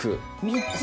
３つ？